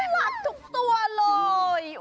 รักทุกตัวเลย